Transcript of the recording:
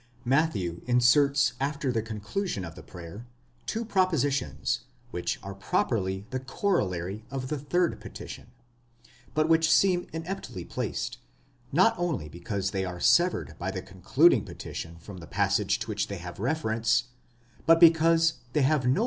9 Matthew inserts after the conclusion of the prayer two propositions, which are properly the corollary of the third petition, but which seem inaptly placed, not only because they are severed by the concluding petition from the passage to which they have reference, but because they have no point of coincidence ~ 26 De Wette, exeg.